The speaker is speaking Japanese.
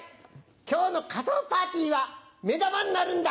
今日の仮装パーティーはメダマになるんだ！